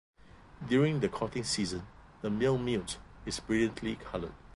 During the courting season the male newt is brilliantly coloured.